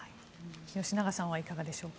吉永さんはいかがですか。